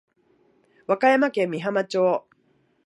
和歌山県美浜町